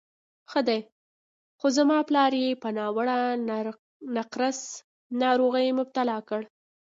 ښه دی، خو زما پلار یې په ناوړه نقرس ناروغۍ مبتلا کړ.